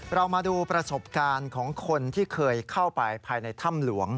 เรามาดูประสบการณ์ของคนที่เคยเข้าไปภายในถ้ำหลวง